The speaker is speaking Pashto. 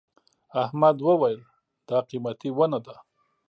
احمد وويل: دا قيمتي ونه ده.